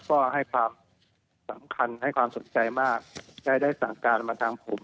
ก็ให้ความสำคัญให้ความสนใจมากได้สั่งการมาทางผม